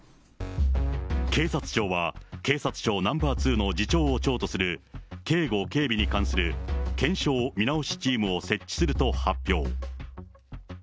警察庁は、警察庁ナンバー２の次長を長とする警護・警備に関する検証・見直しチームを設置すると発表。